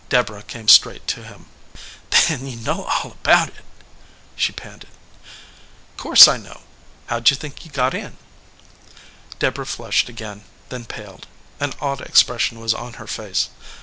Deborah came straight to him. "Then you know all about it?" she panted. "Course, I know. How did you think he got in?" Deborah flushed again, then paled. An awed expression was on her face.